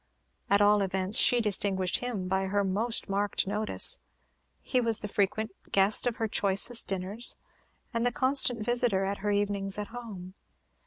At all events, she distinguished him by her most marked notice. He was the frequent guest of her choicest dinners, and the constant visitor at her evenings at home.